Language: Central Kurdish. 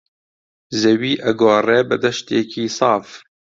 زەوی ئەگۆڕێ بە دەشتێکی ساف